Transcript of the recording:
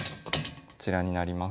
こちらになります。